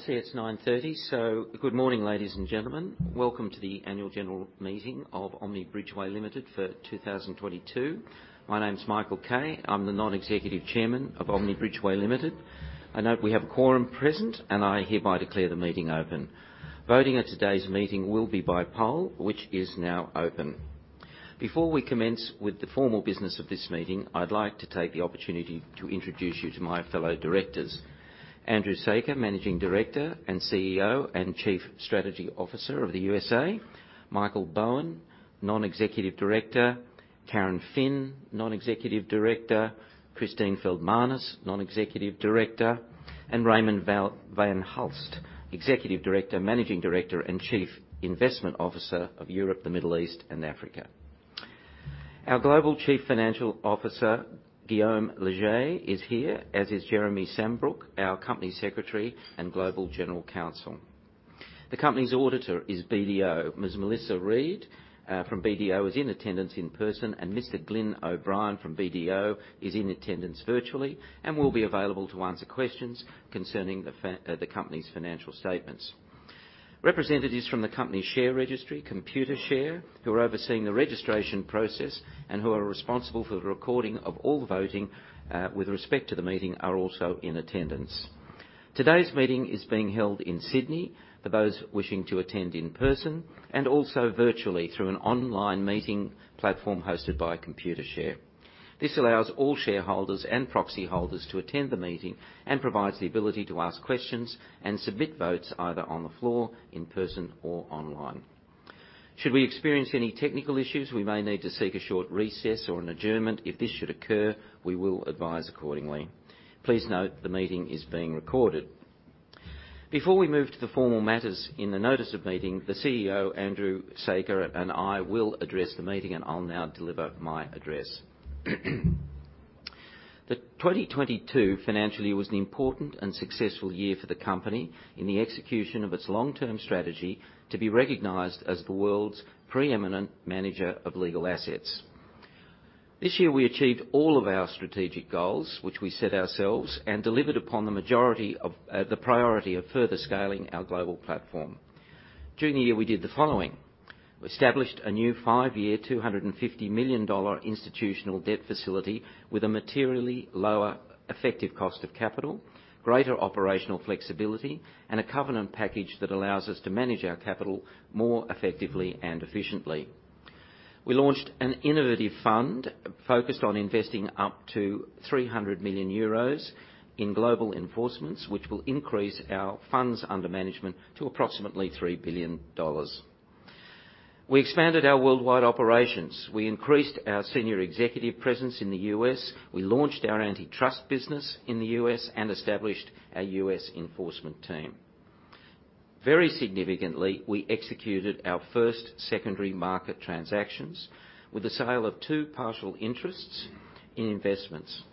Well, I see it's 9:30. Good morning, ladies and gentlemen. Welcome to the Annual General Meeting of Omni Bridgeway Limited for 2022. My name's Michael Kay. I'm the Non-Executive Chairman of Omni Bridgeway Limited. I note we have a quorum present. I hereby declare the meeting open. Voting at today's meeting will be by poll, which is now open. Before we commence with the formal business of this meeting, I'd like to take the opportunity to introduce you to my fellow directors. Andrew Saker, Managing Director and CEO and Chief Strategy Officer of the USA. Michael Bowen, Non-Executive Director. Karen Phin, Non-Executive Director. Christine Feldmanis, Non-Executive Director, Raymond van Hulst, Executive Director, Managing Director, and Chief Investment Officer of EMEA. Our Global Chief Financial Officer, Guillaume Leger, is here, as is Jeremy Sambrook, our Company Secretary and Global General Counsel. The company's auditor is BDO. Ms. Melissa Reid from BDO is in attendance in person, and Mr. Glyn O'Brien from BDO is in attendance virtually and will be available to answer questions concerning the company's financial statements. Representatives from the company's share registry, Computershare, who are overseeing the registration process and who are responsible for the recording of all the voting with respect to the meeting, are also in attendance. Today's meeting is being held in Sydney for those wishing to attend in person and also virtually through an online meeting platform hosted by Computershare. This allows all shareholders and proxy holders to attend the meeting and provides the ability to ask questions and submit votes either on the floor, in person, or online. Should we experience any technical issues, we may need to seek a short recess or an adjournment. If this should occur, we will advise accordingly. Please note the meeting is being recorded. Before we move to the formal matters in the notice of meeting, the CEO, Andrew Saker, and I will address the meeting, and I'll now deliver my address. The 2022 financial year was an important and successful year for the company in the execution of its long-term strategy to be recognized as the world's preeminent manager of legal assets. This year, we achieved all of our strategic goals which we set ourselves and delivered upon the majority of the priority of further scaling our global platform. During the year, we did the following. We established a new five-year $250 million institutional debt facility with a materially lower effective cost of capital, greater operational flexibility, and a covenant package that allows us to manage our capital more effectively and efficiently. We launched an innovative fund focused on investing up to 300 million euros in global enforcements, which will increase our funds under management to approximately $3 billion. We expanded our worldwide operations. We increased our senior executive presence in the U.S. We launched our antitrust business in the U.S. And established our U.S. enforcement team. Very significantly, we executed our first secondary market transactions with the sale of two partial interests in investments.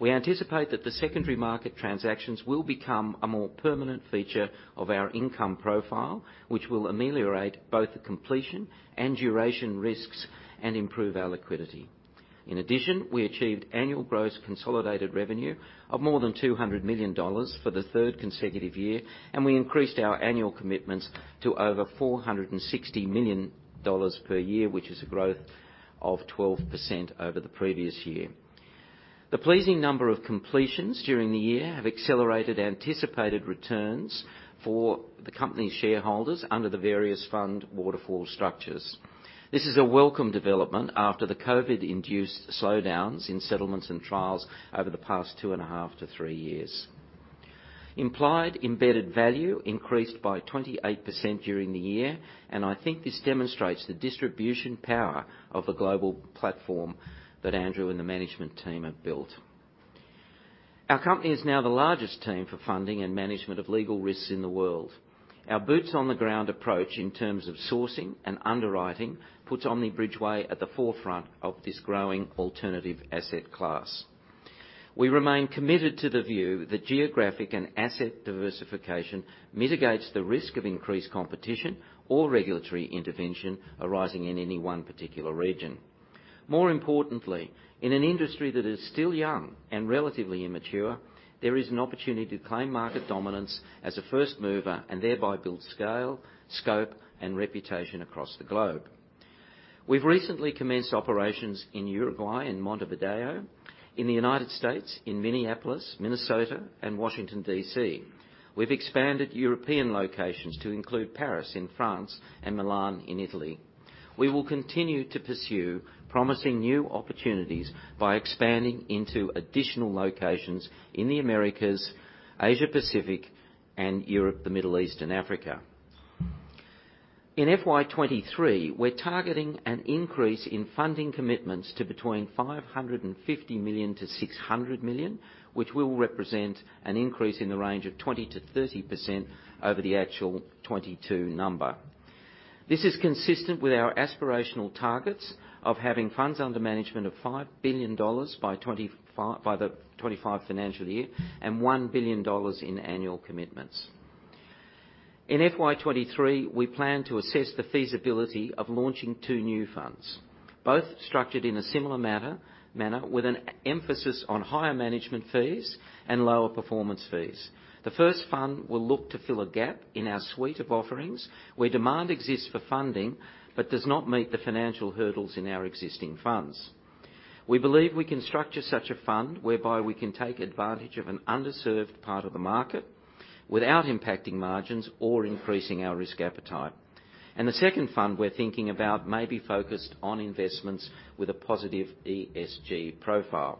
We anticipate that the secondary market transactions will become a more permanent feature of our income profile, which will ameliorate both the completion and duration risks and improve our liquidity. In addition, we achieved annual gross consolidated revenue of more than $200 million for the third consecutive year, and we increased our annual commitments to over $460 million per year, which is a growth of 12% over the previous year. The pleasing number of completions during the year have accelerated anticipated returns for the company's shareholders under the various fund waterfall structures. This is a welcome development after the COVID-induced slowdowns in settlements and trials over the past two and a half to three years. Implied embedded value increased by 28% during the year, and I think this demonstrates the distribution power of the global platform that Andrew and the management team have built. Our company is now the largest team for funding and management of legal risks in the world. Our boots on the ground approach in terms of sourcing and underwriting puts Omni Bridgeway at the forefront of this growing alternative asset class. We remain committed to the view that geographic and asset diversification mitigates the risk of increased competition or regulatory intervention arising in any one particular region. More importantly, in an industry that is still young and relatively immature, there is an opportunity to claim market dominance as a first mover and thereby build scale, scope, and reputation across the globe. We've recently commenced operations in Uruguay in Montevideo, in the United States, in Minneapolis, Minnesota, and Washington, D.C. We've expanded European locations to include Paris in France and Milan in Italy. We will continue to pursue promising new opportunities by expanding into additional locations in the Americas, Asia Pacific, and Europe, the Middle East, and Africa. In FY 2023, we're targeting an increase in funding commitments to between $550 million-$600 million, which will represent an increase in the range of 20%-30% over the actual 22 number. This is consistent with our aspirational targets of having funds under management of $5 billion by the FY 2025 financial year and $1 billion in annual commitments. In FY 2023, we plan to assess the feasibility of launching two new funds, both structured in a similar manner with an emphasis on higher management fees and lower performance fees. The first fund will look to fill a gap in our suite of offerings, where demand exists for funding, but does not meet the financial hurdles in our existing funds. We believe we can structure such a fund whereby we can take advantage of an underserved part of the market without impacting margins or increasing our risk appetite. The second fund we're thinking about may be focused on investments with a positive ESG profile.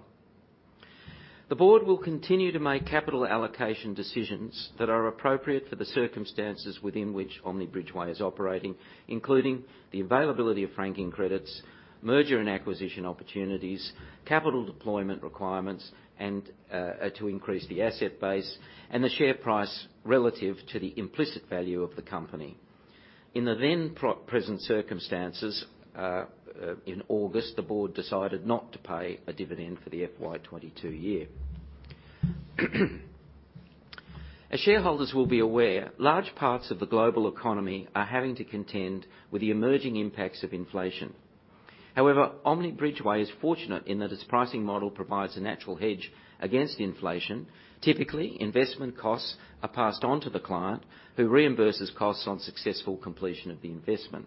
The board will continue to make capital allocation decisions that are appropriate for the circumstances within which Omni Bridgeway is operating, including the availability of franking credits, merger and acquisition opportunities, capital deployment requirements, and to increase the asset base, and the share price relative to the implicit value of the company. In the then pro-present circumstances, in August, the board decided not to pay a dividend for the FY 2022 year. As shareholders will be aware, large parts of the global economy are having to contend with the emerging impacts of inflation. However, Omni Bridgeway is fortunate in that its pricing model provides a natural hedge against inflation. Typically, investment costs are passed on to the client, who reimburses costs on successful completion of the investment.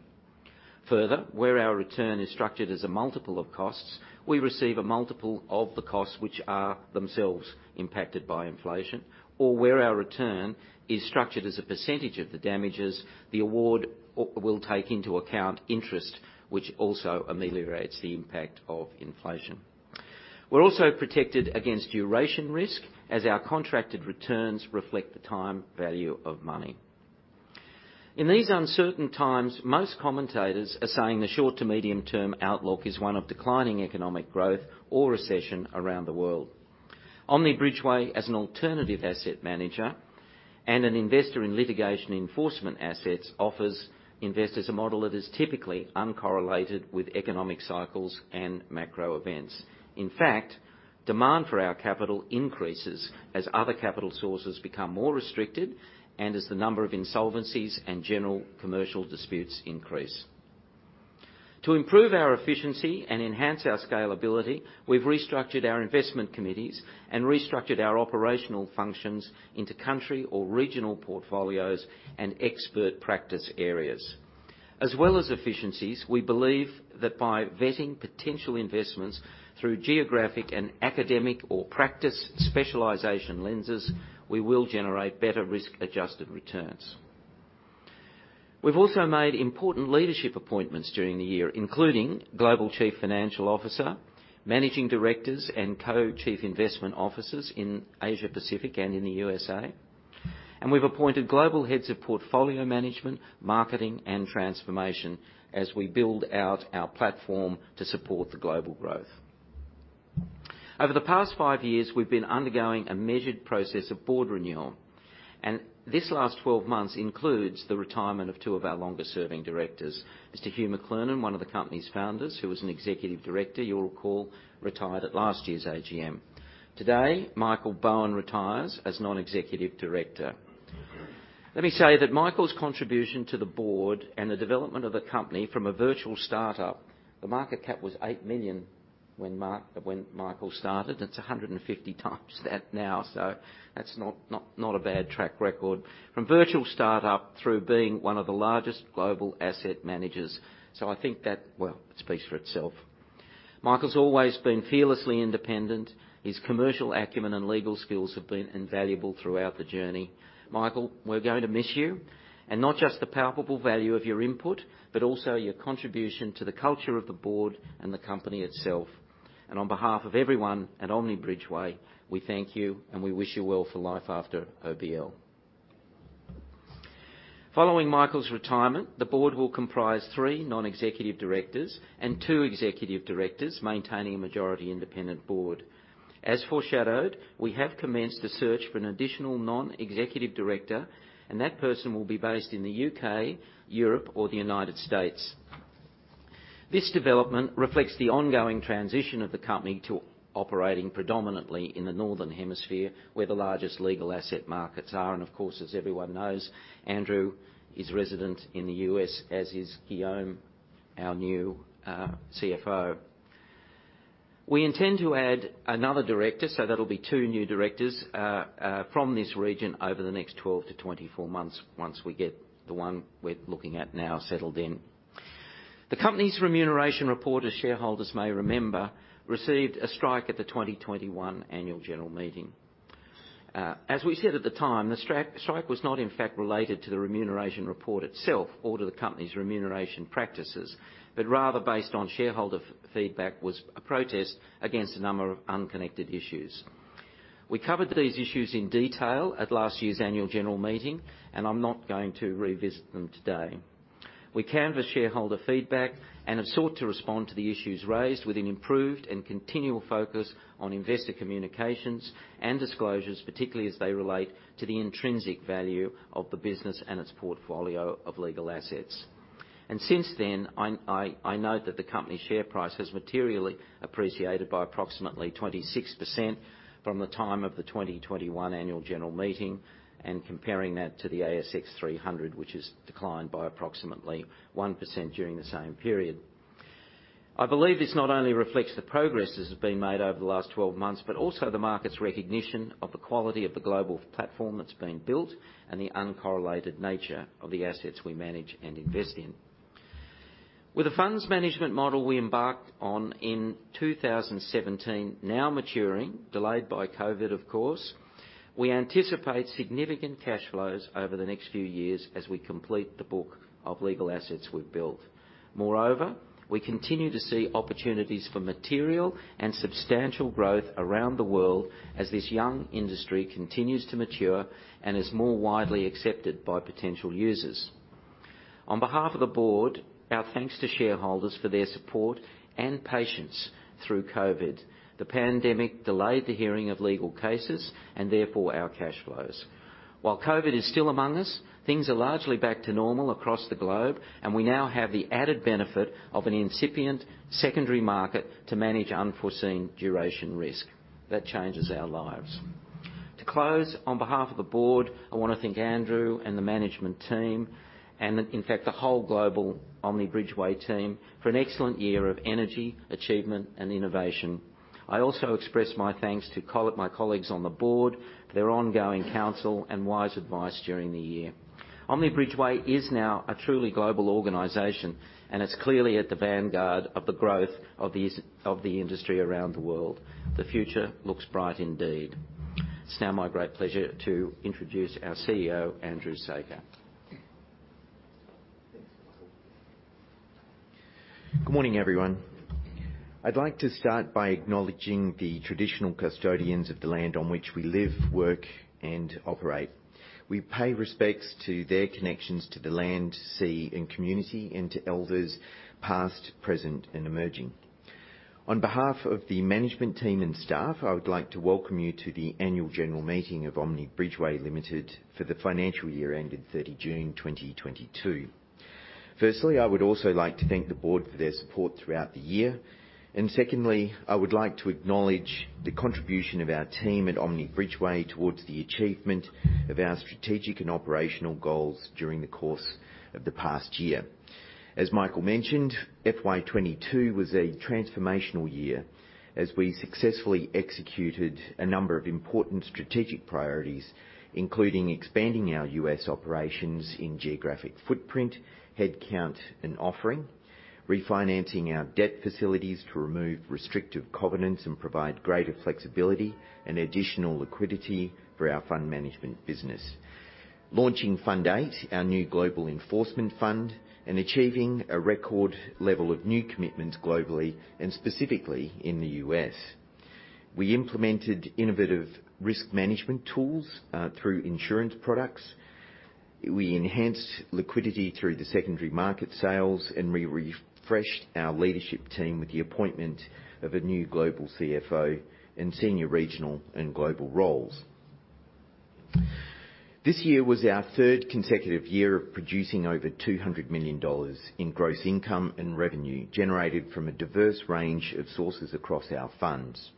Further, where our return is structured as a multiple of costs, we receive a multiple of the costs which are themselves impacted by inflation, or where our return is structured as a percentage of the damages the award will take into account interest, which also ameliorates the impact of inflation. We're also protected against duration risk, as our contracted returns reflect the time value of money. In these uncertain times, most commentators are saying the short to medium term outlook is one of declining economic growth or recession around the world. Omni Bridgeway, as an alternative asset manager and an investor in litigation enforcement assets, offers investors a model that is typically uncorrelated with economic cycles and macro events. In fact, demand for our capital increases as other capital sources become more restricted and as the number of insolvencies and general commercial disputes increase. To improve our efficiency and enhance our scalability, we've restructured our investment committees and restructured our operational functions into country or regional portfolios and expert practice areas. As well as efficiencies, we believe that by vetting potential investments through geographic and academic or practice specialization lenses, we will generate better risk-adjusted returns. We've also made important leadership appointments during the year, including Global Chief Financial Officer, Managing Directors, and Co-Chief Investment Officers in Asia-Pacific and in the USA. We've appointed global heads of portfolio management, marketing, and transformation as we build out our platform to support the global growth. Over the past five years, we've been undergoing a measured process of board renewal, and this last 12 months includes the retirement of two of our longest serving directors. Mr. Hugh McLernon, one of the company's founders, who was an Executive Director, you'll recall, retired at last year's AGM. Today, Michael Bowen retires as Non-Executive Director. Let me say that Michael's contribution to the board and the development of the company from a virtual startup, the market cap was $8 million when Michael started, it's 150x that now, so that's not a bad track record. From virtual startup through being one of the largest global asset managers. I think that, well, it speaks for itself. Michael's always been fearlessly independent. His commercial acumen and legal skills have been invaluable throughout the journey. Not just the palpable value of your input, but also your contribution to the culture of the board and the company itself. On behalf of everyone at Omni Bridgeway, we thank you and we wish you well for life after OBL. Following Michael's retirement, the board will comprise three non-executive directors and two executive directors, maintaining a majority independent board. As foreshadowed, we have commenced a search for an additional non-executive director. That person will be based in the U.K., Europe, or the United States. This development reflects the ongoing transition of the company to operating predominantly in the Northern Hemisphere, where the largest legal asset markets are. Of course, as everyone knows, Andrew is resident in the U.S., as is Guillaume, our new CFO. We intend to add another director, so that'll be two new directors from this region over the next 12-24 months once we get the one we're looking at now settled in. The company's remuneration report, as shareholders may remember, received a strike at the 2021 Annual General Meeting. As we said at the time, the strike was not in fact related to the remuneration report itself or to the company's remuneration practices, but rather based on shareholder feedback, was a protest against a number of unconnected issues. We covered these issues in detail at last year's Annual General Meeting, and I'm not going to revisit them today. We canvassed shareholder feedback and have sought to respond to the issues raised with an improved and continual focus on investor communications and disclosures, particularly as they relate to the intrinsic value of the business and its portfolio of legal assets. Since then, I note that the company's share price has materially appreciated by approximately 26% from the time of the 2021 Annual General Meeting. Comparing that to the ASX 300, which has declined by approximately 1% during the same period. I believe this not only reflects the progress that has been made over the last 12 months, but also the market's recognition of the quality of the global platform that's been built and the uncorrelated nature of the assets we manage and invest in. With the funds management model we embarked on in 2017 now maturing, delayed by COVID, of course, we anticipate significant cash flows over the next few years as we complete the book of legal assets we've built. Moreover, we continue to see opportunities for material and substantial growth around the world as this young industry continues to mature and is more widely accepted by potential users. On behalf of the board, our thanks to shareholders for their support and patience through COVID. The pandemic delayed the hearing of legal cases and therefore our cash flows. While COVID is still among us, things are largely back to normal across the globe, and we now have the added benefit of an incipient secondary market to manage unforeseen duration risk. That changes our lives. To close, on behalf of the board, I wanna thank Andrew and the management team, and in fact, the whole global Omni Bridgeway team for an excellent year of energy, achievement, and innovation. I also express my thanks to my colleagues on the board, their ongoing counsel and wise advice during the year. Omni Bridgeway is now a truly global organization, and it's clearly at the vanguard of the growth of the industry around the world. The future looks bright indeed. It's now my great pleasure to introduce our CEO, Andrew Saker. Good morning, everyone. I'd like to start by acknowledging the traditional custodians of the land on which we live, work, and operate. We pay respects to their connections to the land, sea, and community, and to elders past, present, and emerging. On behalf of the management team and staff, I would like to welcome you to the Annual General Meeting of Omni Bridgeway Limited for the financial year ended 30 June 2022. Firstly, I would also like to thank the board for their support throughout the year. Secondly, I would like to acknowledge the contribution of our team at Omni Bridgeway towards the achievement of our strategic and operational goals during the course of the past year. As Michael mentioned, FY 2022 was a transformational year as we successfully executed a number of important strategic priorities, including expanding our U.S. operations in geographic footprint, headcount, and offering. Refinancing our debt facilities to remove restrictive covenants and provide greater flexibility and additional liquidity for our fund management business. Launching Fund 8, our new global enforcement fund, and achieving a record level of new commitments globally and specifically in the U.S. We implemented innovative risk management tools through insurance products. We enhanced liquidity through the secondary market sales, and we refreshed our leadership team with the appointment of a new global CFO in senior regional and global roles. This year was our third consecutive year of producing over $200 million in gross income and revenue generated from a diverse range of sources across our funds.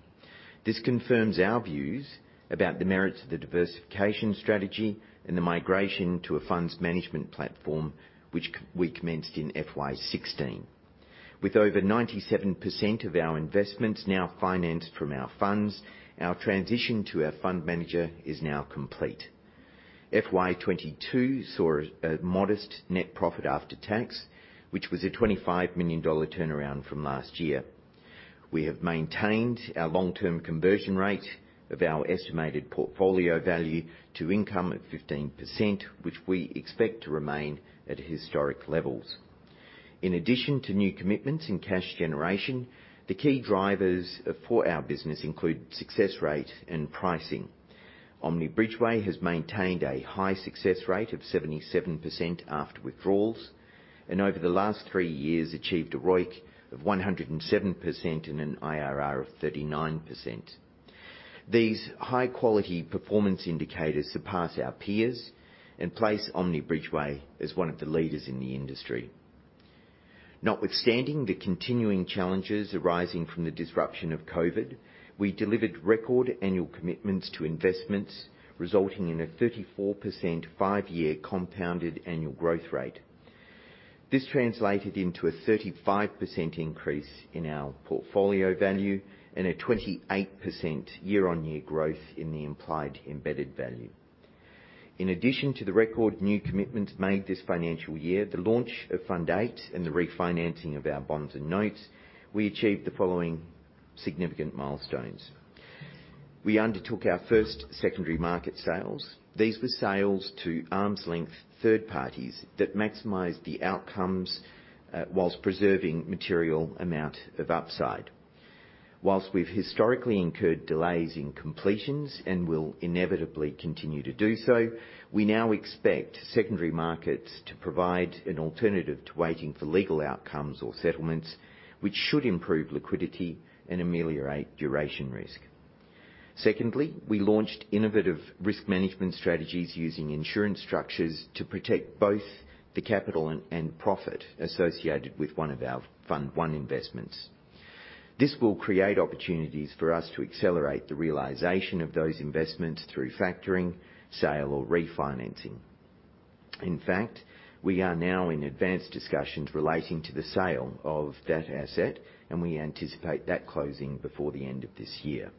This confirms our views about the merits of the diversification strategy and the migration to a funds management platform, which we commenced in FY 2016. With over 97% of our investments now financed from our funds, our transition to our fund manager is now complete. FY 2022 saw a modest net profit after tax, which was an $25 million turnaround from last year. We have maintained our long-term conversion rate of our estimated portfolio value to income of 15%, which we expect to remain at historic levels. In addition to new commitments in cash generation, the key drivers for our business include success rate and pricing. Omni Bridgeway has maintained a high success rate of 77% after withdrawals, and over the last three years achieved a ROIC of 107% and an IRR of 39%. These high-quality performance indicators surpass our peers and place Omni Bridgeway as one of the leaders in the industry. Notwithstanding the continuing challenges arising from the disruption of COVID, we delivered record annual commitments to investments, resulting in a 34% five-year compounded annual growth rate. This translated into a 35% increase in our portfolio value and a 28% year-on-year growth in the implied embedded value. In addition to the record new commitments made this financial year, the launch of Fund 8 and the refinancing of our bonds and notes, we achieved the following significant milestones. We undertook our first secondary market sales. These were sales to arm's-length third parties that maximized the outcomes, whilst preserving material amount of upside. Whilst we've historically incurred delays in completions and will inevitably continue to do so, we now expect secondary markets to provide an alternative to waiting for legal outcomes or settlements, which should improve liquidity and ameliorate duration risk. Secondly, we launched innovative risk management strategies using insurance structures to protect both the capital and profit associated with one of our Fund 1 investments. This will create opportunities for us to accelerate the realization of those investments through factoring, sale, or refinancing. In fact, we are now in advanced discussions relating to the sale of that asset, and we anticipate that closing before the end of this year.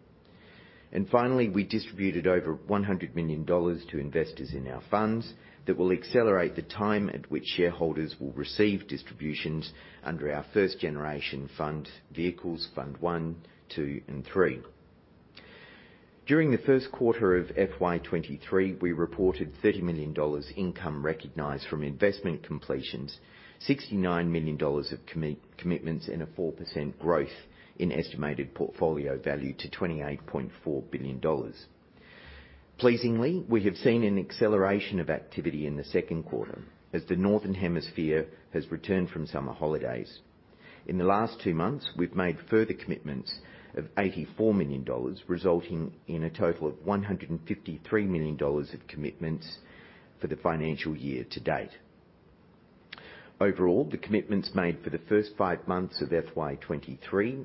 Finally, we distributed over$100 million to investors in our funds that will accelerate the time at which shareholders will receive distributions under our first generation fund vehicles, Fund 1, 2, and 3. During the first quarter of FY 2023, we reported $30 million income recognized from investment completions, $69 million of commitments, and a 4% growth in estimated portfolio value to $28.4 billion. Pleasingly, we have seen an acceleration of activity in the second quarter as the Northern Hemisphere has returned from summer holidays. In the last 2 months, we've made further commitments of $84 million, resulting in a total of $153 million of commitments for the financial year to date. Overall, the commitments made for the first five months of FY 2023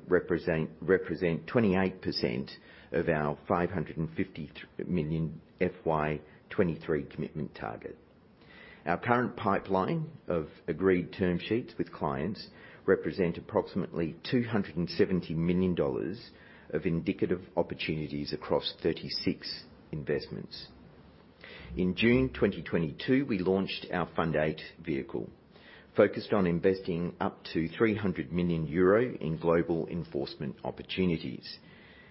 represent 28% of our $550 million FY 2023 commitment target. Our current pipeline of agreed term sheets with clients represent approximately $270 million of indicative opportunities across 36 investments. In June 2022, we launched our Fund 8 vehicle, focused on investing up to 300 million euro in global enforcement opportunities.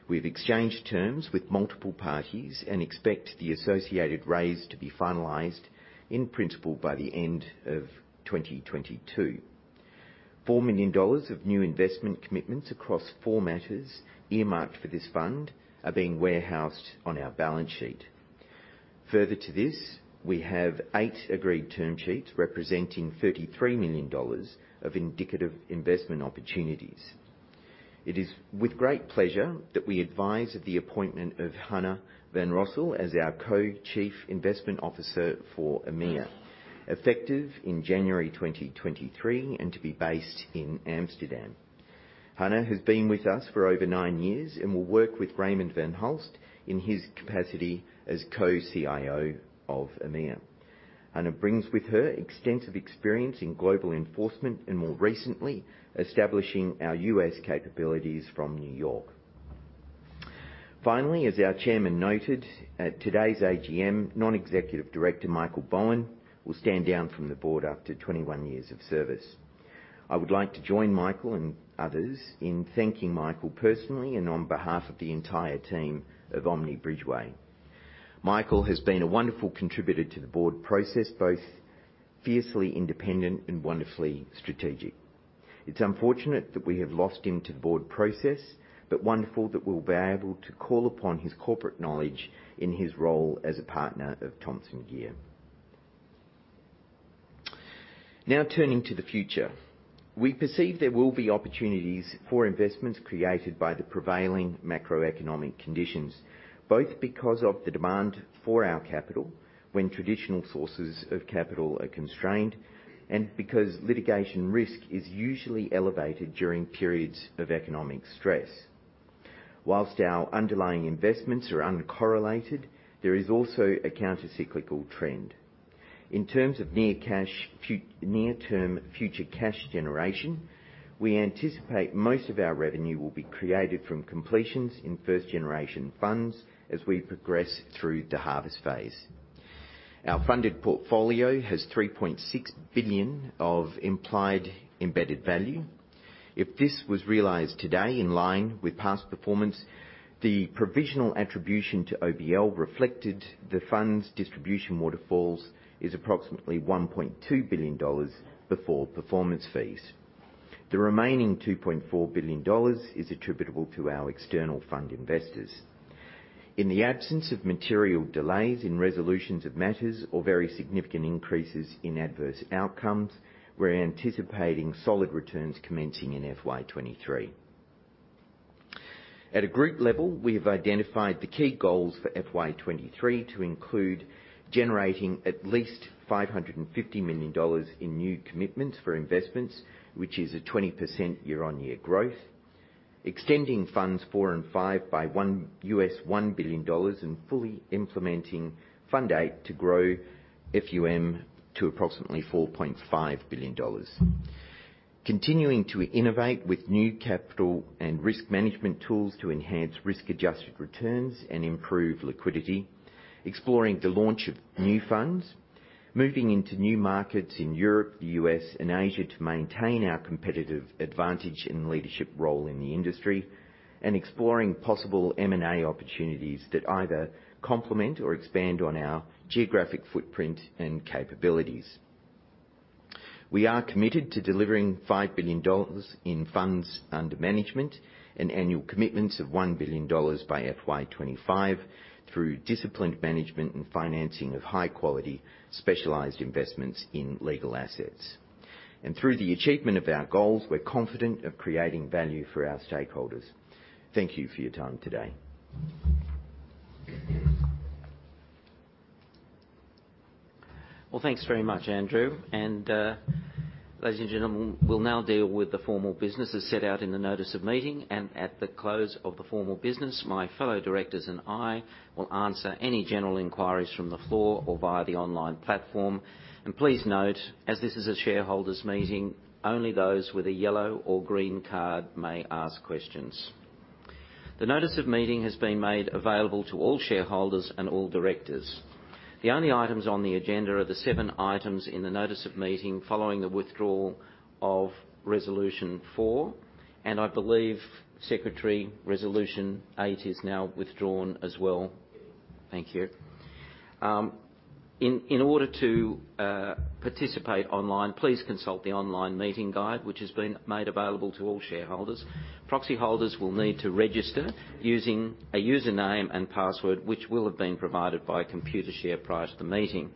We've exchanged terms with multiple parties and expect the associated raise to be finalized in principle by the end of 2022. $4 million of new investment commitments across four matters earmarked for this fund are being warehoused on our balance sheet. Further to this, we have eight agreed term sheets representing $33 million of indicative investment opportunities. It is with great pleasure that we advise of the appointment of Hannah van Rossum as our co-chief investment officer for EMEA, effective in January 2023, and to be based in Amsterdam. Hannah has been with us for over nine years and will work with Raymond van Hulst in his capacity as co-CIO of EMEA. Hannah brings with her extensive experience in global enforcement and, more recently, establishing our U.S. capabilities from New York. As our chairman noted at today's AGM, Non-Executive Director Michael Bowen will stand down from the board after 21 years of service. I would like to join Michael and others in thanking Michael personally and on behalf of the entire team of Omni Bridgeway. Michael has been a wonderful contributor to the board process, both fiercely independent and wonderfully strategic. It's unfortunate that we have lost him to the board process, but wonderful that we'll be able to call upon his corporate knowledge in his role as a Partner of Thomson Geer. Turning to the future. We perceive there will be opportunities for investments created by the prevailing macroeconomic conditions, both because of the demand for our capital when traditional sources of capital are constrained, and because litigation risk is usually elevated during periods of economic stress. Whilst our underlying investments are uncorrelated, there is also a counter-cyclical trend. In terms of near-term future cash generation, we anticipate most of our revenue will be created from completions in first generation funds as we progress through the harvest phase. Our funded portfolio has $3.6 billion of implied embedded value. If this was realized today in line with past performance, the provisional attribution to OBL reflected the fund's distribution waterfalls is approximately $1.2 billion before performance fees. The remaining $2.4 billion is attributable to our external fund investors. In the absence of material delays in resolutions of matters or very significant increases in adverse outcomes, we're anticipating solid returns commencing in FY 2023. At a group level, we have identified the key goals for FY 2023 to include generating at least $550 million in new commitments for investments, which is a 20% year-on-year growth. Extending Funds 4 and 5 by U.S. $1 billion, and fully implementing Fund 8 to grow FUM to approximately $4.5 billion. Continuing to innovate with new capital and risk management tools to enhance risk-adjusted returns and improve liquidity. Exploring the launch of new funds. Moving into new markets in Europe, the U.S., and Asia to maintain our competitive advantage and leadership role in the industry. Exploring possible M&A opportunities that either complement or expand on our geographic footprint and capabilities. We are committed to delivering $5 billion in funds under management and annual commitments of $1 billion by FY 2025 through disciplined management and financing of high quality, specialized investments in legal assets. Through the achievement of our goals, we're confident of creating value for our stakeholders. Thank you for your time today. Well, thanks very much, Andrew. Ladies and gentlemen, we'll now deal with the formal businesses set out in the notice of meeting. At the close of the formal business, my fellow directors and I will answer any general inquiries from the floor or via the online platform. Please note, as this is a shareholders meeting, only those with a yellow or green card may ask questions. The notice of meeting has been made available to all shareholders and all directors. The only items on the agenda are the seven items in the notice of meeting following the withdrawal of Resolution 4 and I believe, secretary, Resolution 8 is now withdrawn as well. Yes. Thank you. In order to participate online, please consult the online meeting guide, which has been made available to all shareholders. Proxy holders will need to register using a username and password, which will have been provided by Computershare prior to the meeting.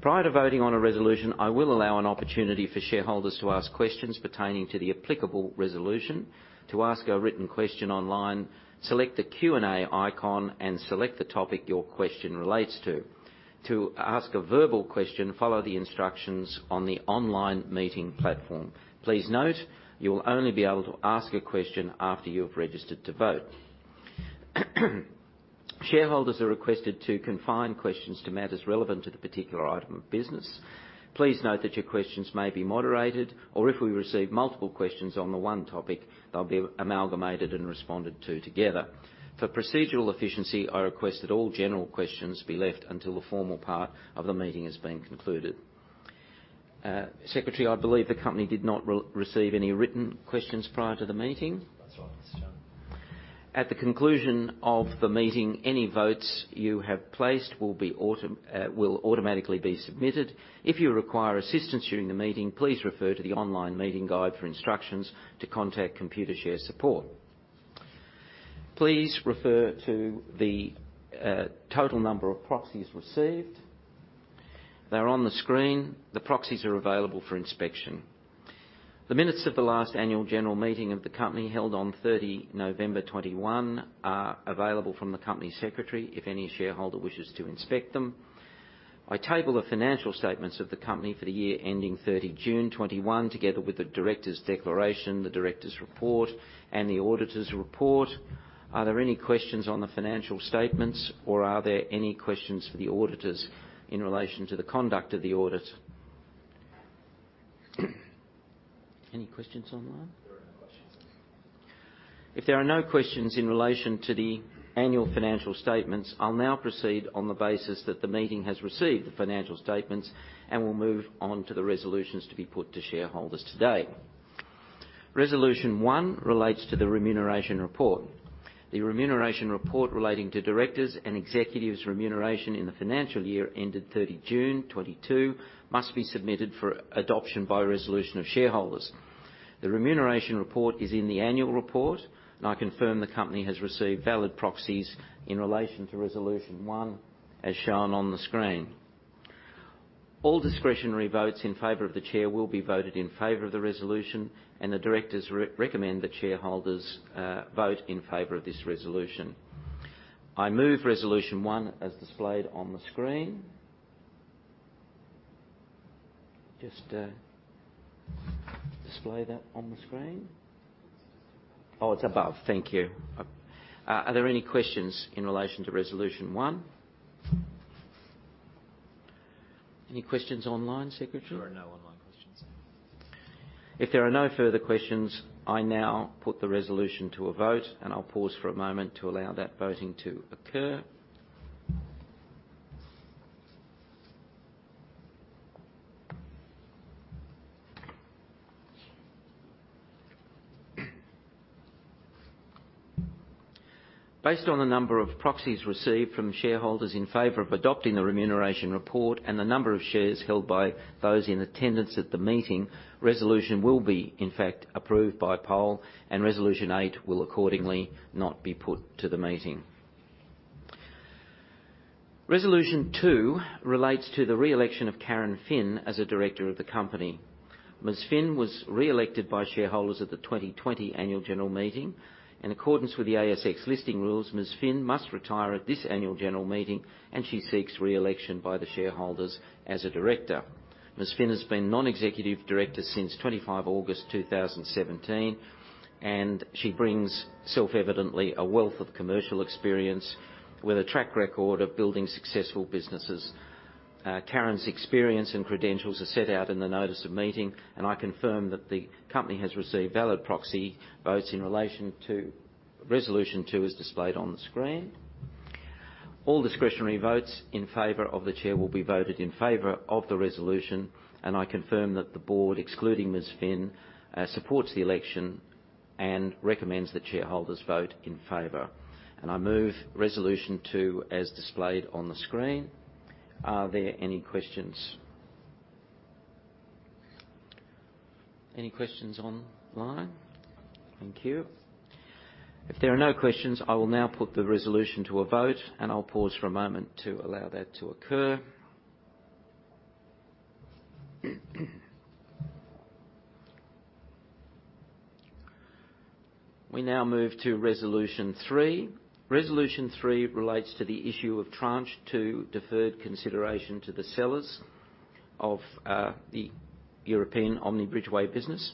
Prior to voting on a resolution, I will allow an opportunity for shareholders to ask questions pertaining to the applicable resolution. To ask a written question online, select the Q&A icon and select the topic your question relates to. To ask a verbal question, follow the instructions on the online meeting platform. Please note, you will only be able to ask a question after you have registered to vote. Shareholders are requested to confine questions to matters relevant to the particular item of business. Please note that your questions may be moderated, or if we receive multiple questions on the one topic, they'll be amalgamated and responded to together. For procedural efficiency, I request that all general questions be left until the formal part of the meeting has been concluded. Secretary, I believe the company did not re-receive any written questions prior to the meeting. That's right, Mr. Chairman. At the conclusion of the meeting, any votes you have placed will automatically be submitted. If you require assistance during the meeting, please refer to the online meeting guide for instructions to contact Computershare support. Please refer to the total number of proxies received. They're on the screen. The proxies are available for inspection. The minutes of the last Annual General Meeting of the company held on 30 November 2021 are available from the company secretary if any shareholder wishes to inspect them. I table the financial statements of the company for the year ending 30 June 2021, together with the directors' declaration, the directors' report, and the auditors' report. Are there any questions on the financial statements, or are there any questions for the auditors in relation to the conduct of the audit? Any questions online? There are no questions. If there are no questions in relation to the annual financial statements, I'll now proceed on the basis that the meeting has received the financial statements, and we'll move on to the resolutions to be put to shareholders today. Resolution one relates to the remuneration report. The remuneration report relating to directors' and executives' remuneration in the financial year ended 30 June 2022 must be submitted for adoption by resolution of shareholders. The remuneration report is in the annual report, and I confirm the company has received valid proxies in relation to resolution one, as shown on the screen. All discretionary votes in favor of the chair will be voted in favor of the resolution, and the directors re-recommend that shareholders vote in favor of this resolution. I move resolution one as displayed on the screen. Just display that on the screen. Oh, it's above. Thank you. Are there any questions in relation to Resolution 1? Any questions online, secretary? There are no online questions. If there are no further questions, I now put the resolution to a vote, and I'll pause for a moment to allow that voting to occur. Based on the number of proxies received from shareholders in favor of adopting the remuneration report and the number of shares held by those in attendance at the meeting, resolution will be, in fact, approved by poll, and Resolution 8 will accordingly not be put to the meeting. Resolution 2 relates to the re-election of Karen Phin as a Director of the company. Ms. Phin was re-elected by shareholders at the 2020 Annual General Meeting. In accordance with the ASX Listing Rules, Ms. Phin must retire at this Annual General Meeting. She seeks re-election by the shareholders as a Director. Ms. Phin has been non-executive director since 25 August 2017. She brings self-evidently a wealth of commercial experience with a track record of building successful businesses. Karen's experience and credentials are set out in the notice of meeting. I confirm that the company has received valid proxy votes in relation to Resolution 2, as displayed on the screen. All discretionary votes in favor of the chair will be voted in favor of the resolution, and I confirm that the board, excluding Ms. Phin, supports the election and recommends that shareholders vote in favor. I move Resolution 2 as displayed on the screen. Are there any questions? Any questions online? Thank you. If there are no questions, I will now put the resolution to a vote, and I'll pause for a moment to allow that to occur. We now move to Resolution 3. Resolution 3 relates to the issue of Tranche 2 deferred consideration to the sellers of the European Omni Bridgeway business.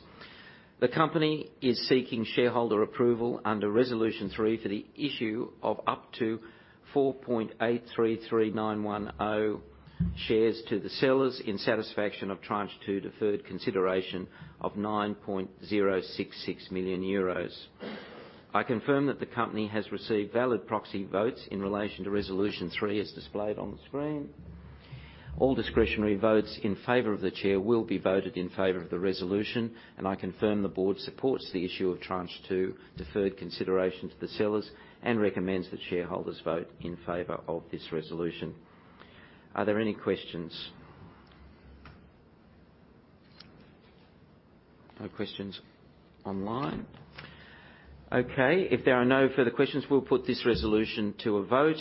The company is seeking shareholder approval under Resolution 3 for the issue of up to 4,833,910 shares to the sellers in satisfaction of Tranche 2 deferred consideration of 9.066 million euros. I confirm that the company has received valid proxy votes in relation to Resolution 3 as displayed on the screen. All discretionary votes in favor of the chair will be voted in favor of the resolution. I confirm the board supports the issue of Tranche 2 deferred consideration to the sellers and recommends that shareholders vote in favor of this resolution. Are there any questions? No questions online. Okay. If there are no further questions, we'll put this resolution to a vote.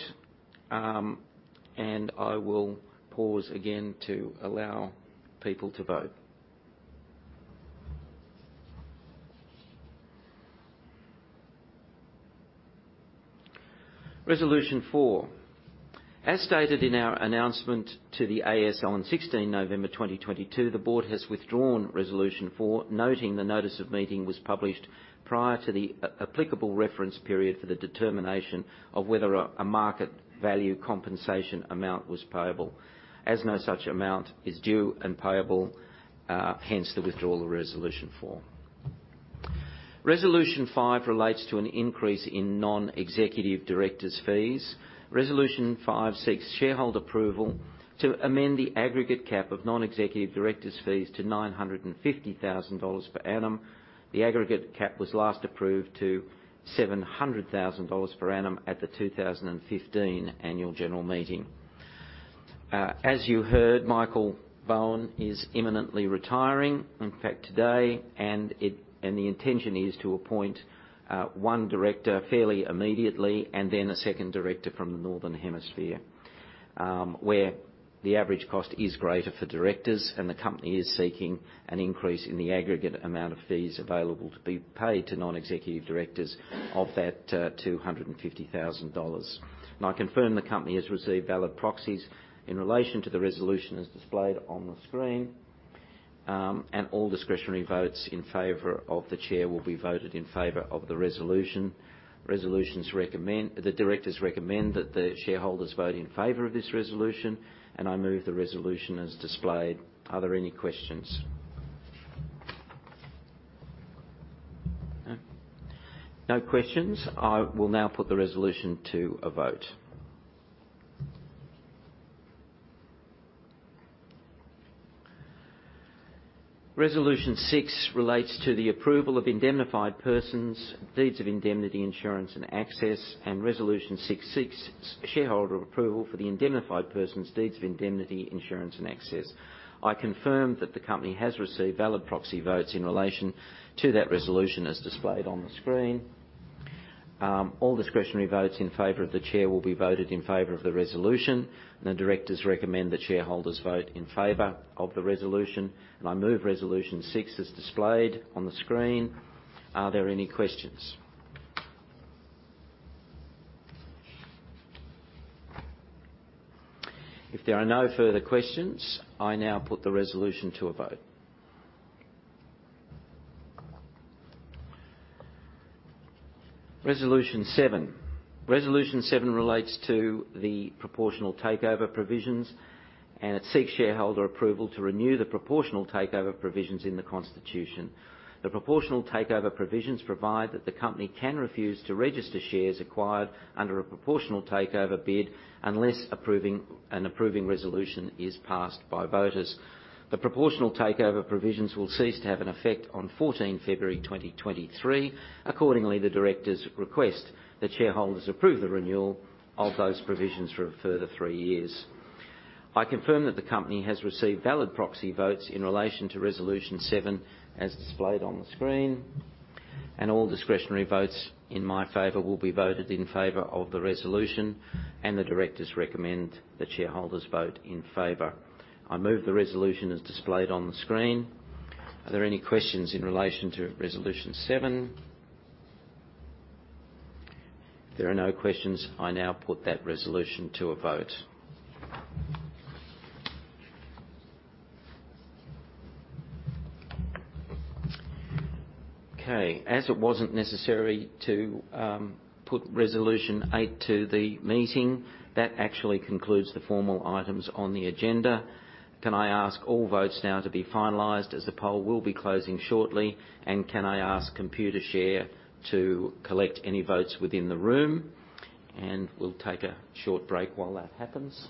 I will pause again to allow people to vote. Resolution 4 As stated in our announcement to the ASX on 16th November 2022, the board has withdrawn Resolution 4, noting the notice of meeting was published prior to the applicable reference period for the determination of whether a market value compensation amount was payable. As no such amount is due and payable, hence the withdrawal of Resolution 4. Resolution 5 relates to an increase in non-executive directors' fees. Resolution 5 seeks shareholder approval to amend the aggregate cap of non-executive directors' fees to 950,000 dollars per annum. The aggregate cap was last approved to $700,000 per annum at the 2015 Annual General Meeting. As you heard, Michael Bowen is imminently retiring, in fact, today, and the intention is to appoint one director fairly immediately and then a second director from the Northern Hemisphere, where the average cost is greater for directors and the company is seeking an increase in the aggregate amount of fees available to be paid to non-executive directors of that 250,000 dollars. I confirm the company has received valid proxies in relation to the resolution as displayed on the screen. All discretionary votes in favor of the chair will be voted in favor of the resolution. The directors recommend that the shareholders vote in favor of this resolution, and I move the resolution as displayed. Are there any questions? No questions. I will now put the resolution to a vote. Resolution 6 relates to the approval of indemnified persons, deeds of indemnity insurance and access, and Resolution 6 seeks shareholder approval for the indemnified persons, deeds of indemnity, insurance and access. I confirm that the company has received valid proxy votes in relation to that resolution as displayed on the screen. All discretionary votes in favor of the chair will be voted in favor of the resolution. The directors recommend that shareholders vote in favor of the resolution, and I move Resolution 6 as displayed on the screen. Are there any questions? If there are no further questions, I now put the resolution to a vote. Resolution 7. Resolution 7 relates to the Proportional Takeover Provisions, and it seeks shareholder approval to renew the Proportional Takeover Provisions in the Constitution. The Proportional Takeover Provisions provide that the company can refuse to register shares acquired under a proportional takeover bid unless an approving resolution is passed by voters. The Proportional Takeover Provisions will cease to have an effect on February 14, 2023. Accordingly, the directors request that shareholders approve the renewal of those provisions for a further three years. I confirm that the company has received valid proxy votes in relation to Resolution 7 as displayed on the screen, and all discretionary votes in my favor will be voted in favor of the resolution, and the directors recommend that shareholders vote in favor. I move the resolution as displayed on the screen. Are there any questions in relation to Resolution 7? If there are no questions, I now put that resolution to a vote. Okay. As it wasn't necessary to put Resolution 8 to the meeting, that actually concludes the formal items on the agenda. Can I ask all votes now to be finalized, as the poll will be closing shortly? Can I ask Computershare to collect any votes within the room? We'll take a short break while that happens.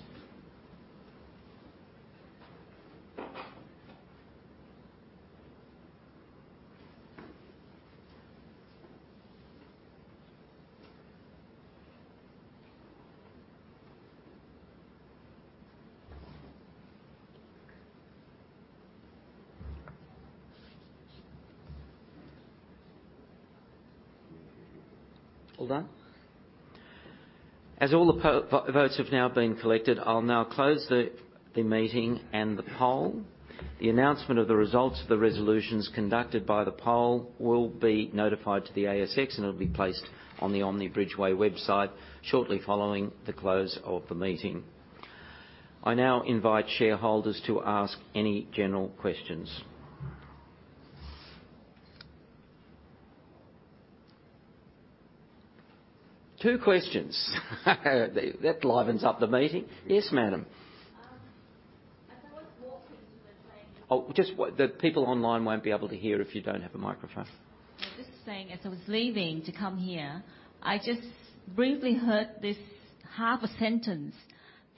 All done? As all the votes have now been collected, I'll now close the meeting and the poll. The announcement of the results of the resolutions conducted by the poll will be notified to the ASX, and it'll be placed on the Omni Bridgeway website shortly following the close of the meeting. I now invite shareholders to ask any general questions. Two questions. That livens up the meeting. Yes, madam. As I was walking. Oh, just wait. The people online won't be able to hear if you don't have a microphone. I'm just saying, as I was leaving to come here, I just briefly heard this half a sentence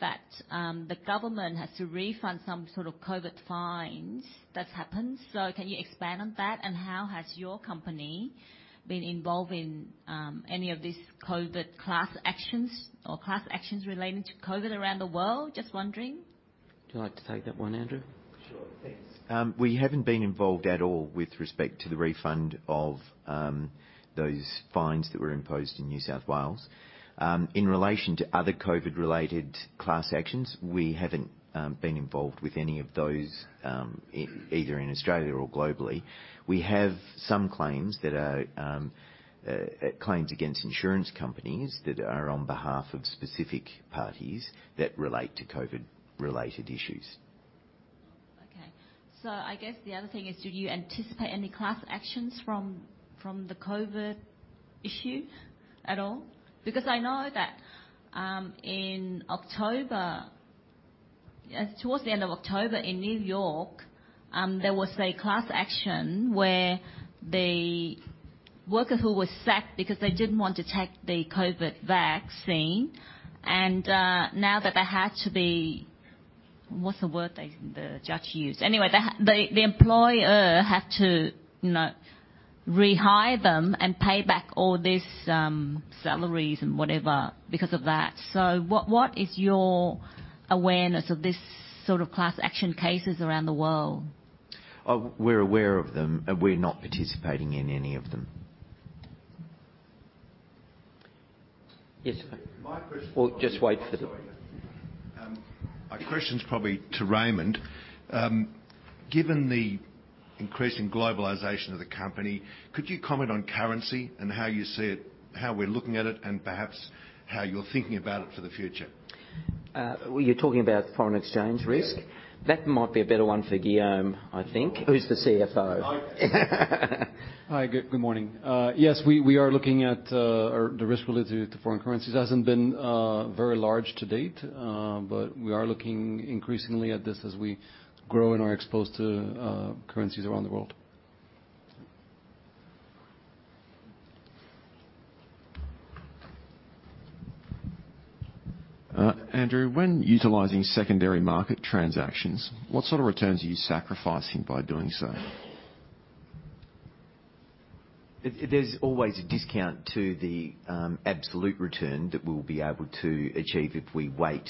that the government has to refund some sort of COVID fines that's happened. Can you expand on that? And how has your company been involved in any of these COVID class actions or class actions relating to COVID around the world? Just wondering. Would you like to take that one, Andrew? Sure. Thanks. We haven't been involved at all with respect to the refund of those fines that were imposed in New South Wales. In relation to other COVID-related class actions, we haven't been involved with any of those, either in Australia or globally. We have some claims that are claims against insurance companies that are on behalf of specific parties that relate to COVID-related issues. Okay. I guess the other thing is, do you anticipate any class actions from the COVID issue at all? I know that, in October, towards the end of October in New York, there was a class action where the worker who was sacked because they didn't want to take the COVID vaccine. Now that they had to be... What's the word the judge used? Anyway, the employer had to, you know, rehire them and pay back all these salaries and whatever because of that. What, what is your awareness of this sort of class action cases around the world? Oh, we're aware of them, and we're not participating in any of them. Yes. My question- Well, just wait for. Oh, sorry. My question's probably to Raymond. Given the increasing globalization of the company, could you comment on currency and how you see it, how we're looking at it, and perhaps how you're thinking about it for the future? Well, you're talking about foreign exchange risk? Yes. That might be a better one for Guillaume, I think. Guillaume. Who's the CFO? Oh, yes. Hi. Good morning. Yes, we are looking at or the risk related to foreign currencies hasn't been very large to date, but we are looking increasingly at this as we grow and are exposed to currencies around the world. Andrew, when utilizing secondary market transactions, what sort of returns are you sacrificing by doing so? There's always a discount to the absolute return that we'll be able to achieve if we wait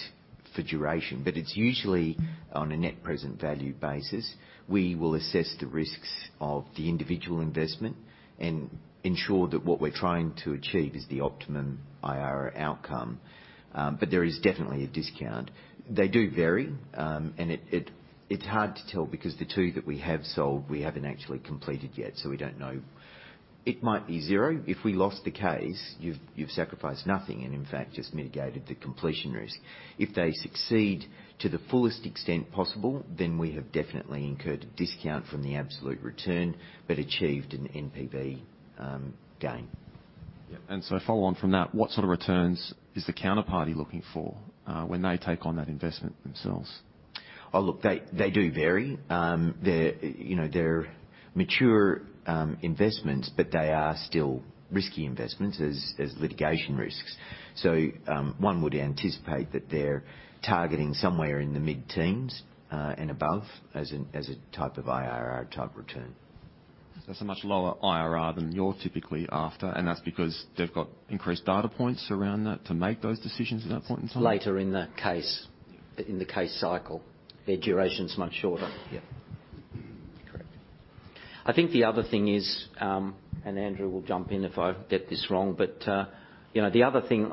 for duration, but it's usually on a net present value basis. We will assess the risks of the individual investment and ensure that what we're trying to achieve is the optimum IRR outcome. There is definitely a discount. They do vary, and it's hard to tell because the two that we have sold we haven't actually completed yet, so we don't know. It might be zero. If we lost the case, you've sacrificed nothing and in fact just mitigated the completion risk. If they succeed to the fullest extent possible, then we have definitely incurred a discount from the absolute return but achieved an NPV gain. Yeah. Follow on from that, what sort of returns is the counterparty looking for, when they take on that investment themselves? They do vary. They're, you know, they're mature investments, but they are still risky investments as litigation risks. One would anticipate that they're targeting somewhere in the mid-teens and above as a type of IRR type return. It's a much lower IRR than you're typically after, and that's because they've got increased data points around that to make those decisions at that point in time? Later in the case, in the case cycle. Their duration's much shorter. Yeah. Correct. I think the other thing is, Andrew will jump in if I get this wrong, but, you know, the other thing,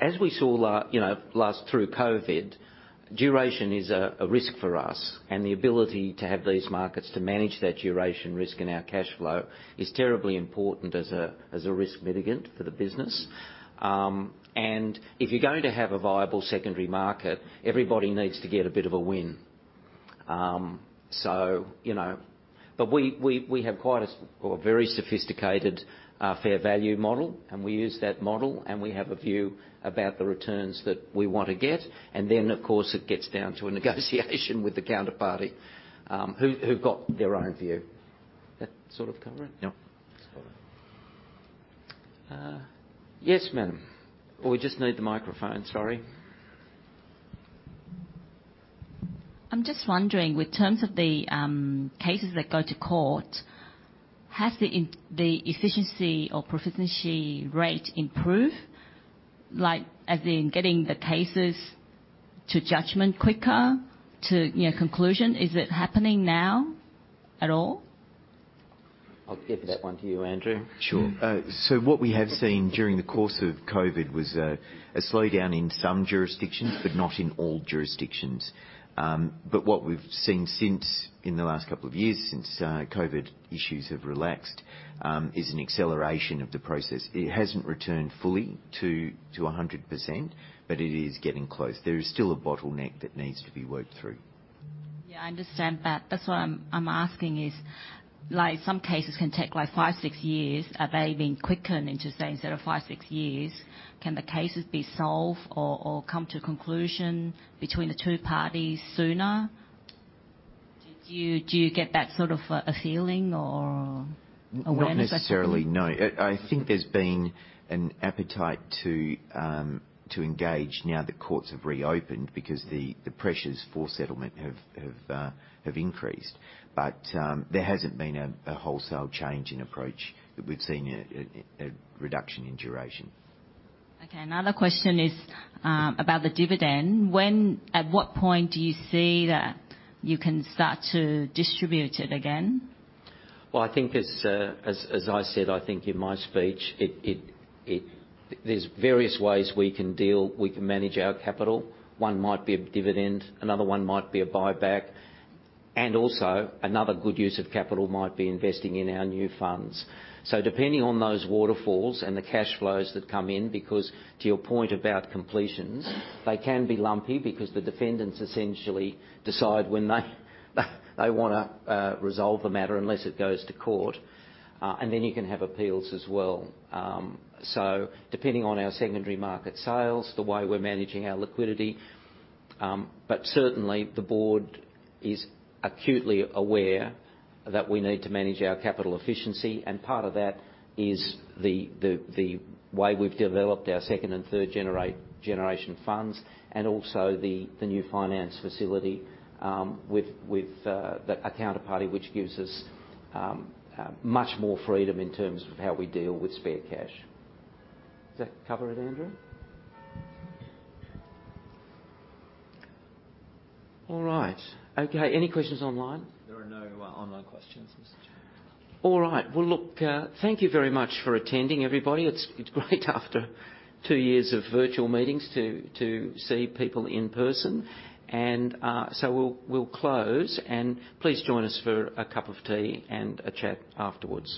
as we saw, you know, last through COVID, duration is a risk for us and the ability to have these markets to manage that duration risk in our cash flow is terribly important as a risk mitigant for the business. If you're going to have a viable secondary market, everybody needs to get a bit of a win. You know. We have quite a very sophisticated, fair value model, and we use that model, and we have a view about the returns that we want to get. Then, of course, it gets down to a negotiation with the counterparty, who've got their own view. That sort of cover it? Yeah. Got it. Yes, madam. We just need the microphone, sorry. I'm just wondering, with terms of the cases that go to court, has the efficiency or proficiency rate improved? Like, as in getting the cases to judgment quicker to, you know, conclusion. Is it happening now at all? I'll give that one to you, Andrew. Sure. What we have seen during the course of COVID was a slowdown in some jurisdictions, but not in all jurisdictions. What we've seen since, in the last couple of years since, COVID issues have relaxed, is an acceleration of the process. It hasn't returned fully to 100%, but it is getting close. There is still a bottleneck that needs to be worked through. Yeah, I understand that. That's why I'm asking is, like, some cases can take, like, five, six years. Are they being quicker than just, say, instead of five, six years, can the cases be solved or come to a conclusion between the two parties sooner? Do you get that sort of a feeling or awareness, I think? Not necessarily, no. I think there's been an appetite to engage now the courts have reopened because the pressures for settlement have increased. There hasn't been a wholesale change in approach that we've seen a reduction in duration. Another question is, about the dividend. At what point do you see that you can start to distribute it again? Well, I think as I said, I think in my speech. There's various ways we can manage our capital. One might be a dividend, another one might be a buyback. Also, another good use of capital might be investing in our new funds. Depending on those waterfalls and the cash flows that come in, because to your point about completions, they can be lumpy because the defendants essentially decide when they wanna resolve the matter unless it goes to court. Then you can have appeals as well. Depending on our secondary market sales, the way we're managing our liquidity. Certainly the board is acutely aware that we need to manage our capital efficiency, and part of that is the way we've developed our second and third generation funds, and also the new finance facility, with a counterparty, which gives us much more freedom in terms of how we deal with spare cash. Does that cover it, Andrew? All right. Okay. Any questions online? There are no, online questions, Mr. Chairman. All right. Well, look, thank you very much for attending, everybody. It's great after two years of virtual meetings to see people in person. So we'll close. Please join us for a cup of tea and a chat afterwards.